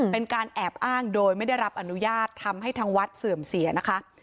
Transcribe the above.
เป็นการแอบอ้างโดยไม่ได้รับอนุญาตทำให้ทางวัดเสื่อมเสียนะคะ